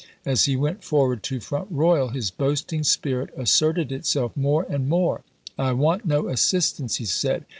As he went forward to Front ^r. k. Royal his boasting spirit asserted itself more and part"!!!.; more. " I want no assistance," he said.